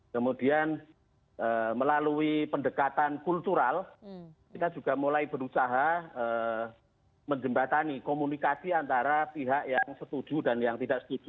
kemudian melalui pendekatan kultural kita juga mulai berusaha menjembatani komunikasi antara pihak yang setuju dan yang tidak setuju